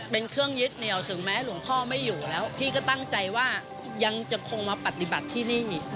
เป็นเครื่องยึดเหนียวถึงแม้หลวงพ่อไม่อยู่แล้วพี่ก็ตั้งใจว่ายังจะคงมาปฏิบัติที่นี่